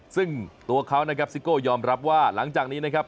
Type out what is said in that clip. ซึ่งตัวเขานะครับซิโก้ยอมรับว่าหลังจากนี้นะครับ